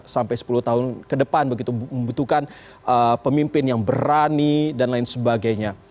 sampai sepuluh tahun ke depan begitu membutuhkan pemimpin yang berani dan lain sebagainya